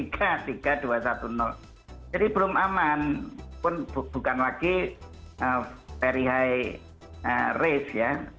jadi belum aman pun bukan lagi very high risk ya